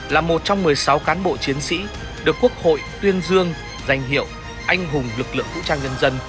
là một trong một mươi sáu cán bộ chiến sĩ được quốc hội tuyên dương danh hiệu anh hùng lực lượng vũ trang nhân dân